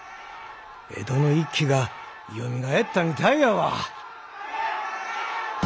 江戸の一揆がよみがえったみたいやわ！